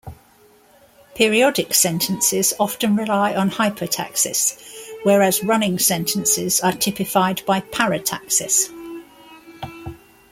Periodic sentences often rely on hypotaxis, whereas running sentences are typified by parataxis.